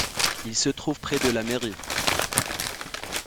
Il se trouve près de la mairie.